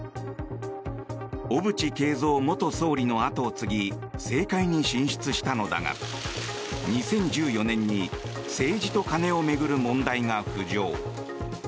小渕恵三元総理の跡を継ぎ政界に進出したのだが２０１４年に政治と金を巡る問題が浮上。